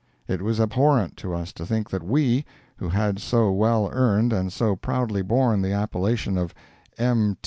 It was abhorrent to us to think that we, who had so well earned and so proudly borne the appellation of "M.